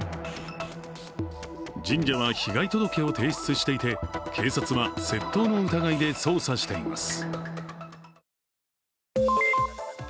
神社は被害届を提出していて、警察は窃盗の疑いで捜査しています。